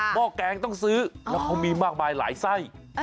ห้อแกงต้องซื้อแล้วเขามีมากมายหลายไส้